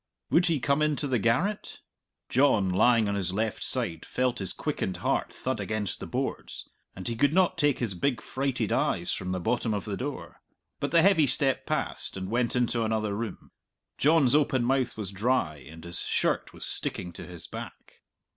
Would he come into the garret? John, lying on his left side, felt his quickened heart thud against the boards, and he could not take his big frighted eyes from the bottom of the door. But the heavy step passed and went into another room. John's open mouth was dry, and his shirt was sticking to his back.